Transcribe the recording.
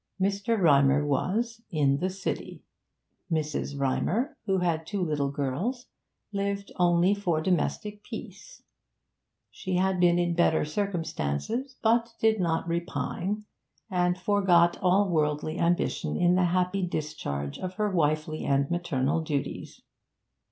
Mr. Rymer was 'in the City'; Mrs. Rymer, who had two little girls, lived only for domestic peace she had been in better circumstances, but did not repine, and forgot all worldly ambition in the happy discharge of her wifely and maternal duties.